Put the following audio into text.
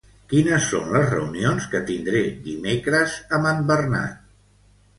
Quines són les reunions que tindré dimecres amb en Bernat?